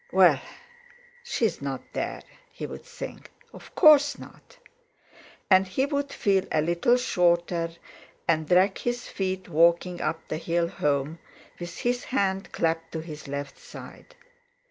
"Well, she's not there!" he would think, "of course not!" And he would feel a little shorter, and drag his feet walking up the hill home, with his hand clapped to his left side.